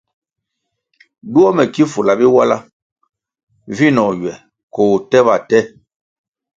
Duo mè ki fulah Biwala vinoh ywè ko tèba tè.